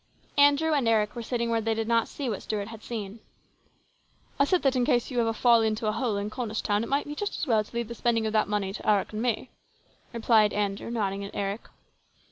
Andrew and Eric were sitting where they did not see what Stuart had seen. " I said that in case you ever fall into a hole in Cornish town it might be just as well to leave the spending of that money to Eric and me," replied Andrew, nodding at Eric.